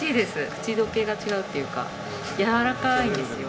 口溶けが違うっていうかやわらかいんですよ。